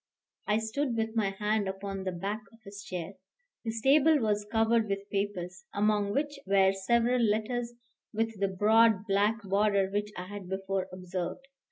I stood with my hand upon the back of his chair. His table was covered with papers, among which were several letters with the broad black border which I had before observed.